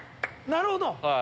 なるほど。